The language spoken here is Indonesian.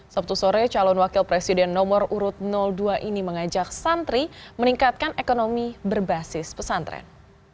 sabtu sore calon wakil presiden nomor urut dua ini mengajak santri meningkatkan ekonomi berbasis pesantren